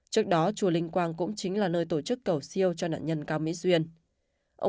trước đó chùa linh quang cũng chính là nơi tổ chức cầu siêu cho nạn nhân cao mỹ duyên